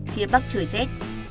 phía bắc trời rét